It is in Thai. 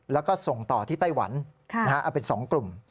แล้วก็ส่งต่อที่ไต้หวันเอาเป็น๒กลุ่ม